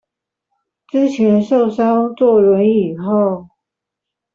之前受傷坐輪椅後